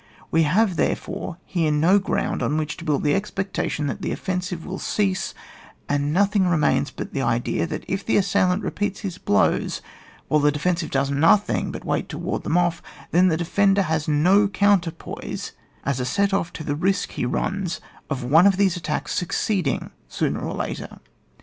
We have, therefore, here no ground on which to build the expec tation that the offensive will cease, and nothing remains but the idea that if the assailant repeats his blows, whilo the de fensive does nothing but wait to ward them off^ then the defender has no coun terpoise as a set off to the risk he runs of one of these attacks succeeding sooner or later.